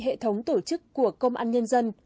hệ thống tổ chức của công an nhân dân